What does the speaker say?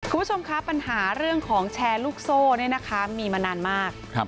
คุณผู้ชมคะปัญหาเรื่องของแชร์ลูกโซ่เนี่ยนะคะมีมานานมาก